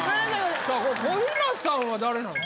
さあ小日向さんは誰なの？